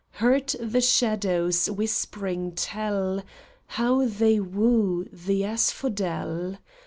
Heard the shadows, whispering, tell How they woo the asphodel